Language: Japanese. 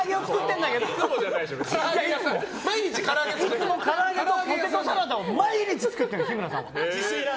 いつもから揚げとポテトサラダを毎日作ってる。